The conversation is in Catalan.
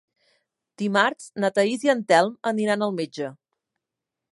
Dimarts na Thaís i en Telm aniran al metge.